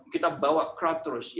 kita bawa crowd terus